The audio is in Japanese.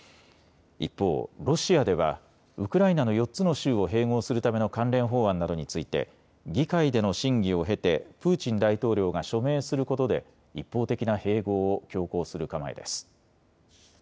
一方、ロシアではウクライナの４つの州を併合するための関連法案などについて議会での審議を経てプーチン大統領が署名することで一方的な併合を強行する構えです。